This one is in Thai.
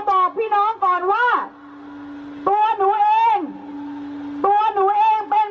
ตัวหนูเองเป็นเพียงประชาชนคนธรรมดาคนหนึ่ง